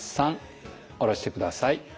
下ろしてください。